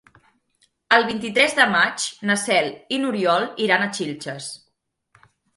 El vint-i-tres de maig na Cel i n'Oriol iran a Xilxes.